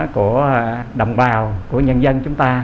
của đồng bào của nhân dân chúng ta